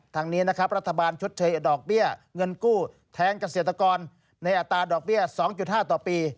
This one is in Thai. ทางนี้นะครับรัฐบาลชดเชยดอกเบี้ยเงินกู้แทนเกษตรกรในอัตราดอกเบี้ย๒๕ต่อปี